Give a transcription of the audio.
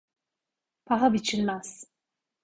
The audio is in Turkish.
Paha biçilmez.